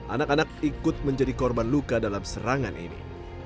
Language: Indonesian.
anak anak ikut menjadi korban luka dalam serangan ini